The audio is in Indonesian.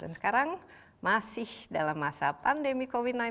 dan sekarang masih dalam masa pandemi covid sembilan belas